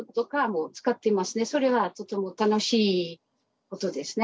それはとても楽しいことですね。